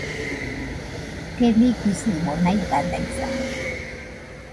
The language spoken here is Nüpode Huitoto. Keniguisɨmo naidaidaisa